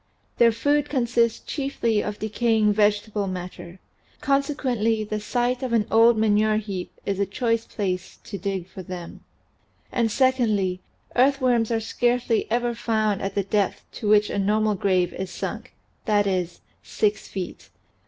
Their food consists chiefly of decaying vegetable matter; consequently the site of an old manure heap is a choice place to dig for them. And, secondly, earth worms are scarcely ever found at the depth to which a nor WORMS SHALL EAT OUR BODIES AFTER BURIAL 205 mal grave is sunk, that is, six feet.